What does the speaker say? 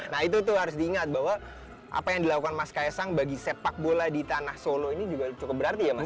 nah itu tuh harus diingat bahwa apa yang dilakukan mas kaisang bagi sepak bola di tanah solo ini juga cukup berarti ya mas